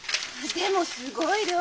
でもすごい量。